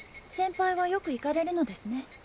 先輩はよく行かれるのですね。